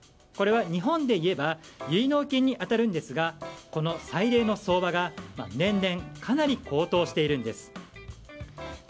これは日本でいえば結納金に当たるんですがこの彩礼の相場が年々かなり高騰しているんです。